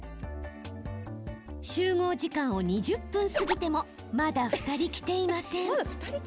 集合時間を２０分過ぎてもまだ２人来ていません。